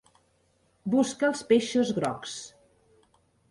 Busca els peixos grocs.